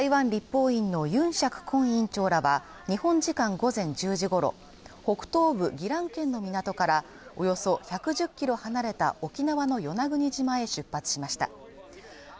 台湾立法院の游錫コン院長らは、日本時間午前１０時ごろ、北東部、宜蘭県の港からおよそ１１０キロ離れた沖縄の与那国島へ出発しました。